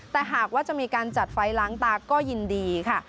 แต่หากว่าจะมีการจัดไฟล้างตาก็ยินดีค่ะ